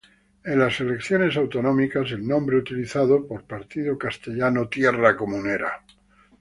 En las elecciones autonómicas, el nombre utilizado por Partido Castellano-Tierra Comunera.